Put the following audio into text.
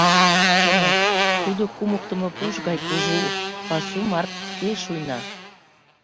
Чынак, тудо кумыктымо пуш гай кужу, пасу марке шуйна.